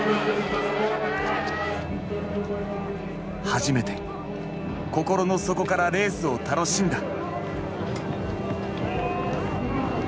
初めて心の底からレースを楽しんだ。